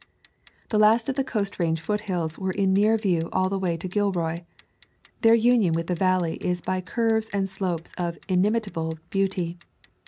The last of the Coast Range foothills were in near view all the way to Gilroy. Their union with the valley is by curves and slopes of inim itable beauty.